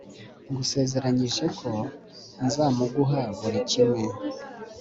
ngusezeranyije ko nzamuguha buri kimwe